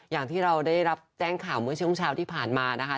อย่างที่เราได้รับแจ้งข่าวเมื่อช่วงเช้าที่ผ่านมานะคะ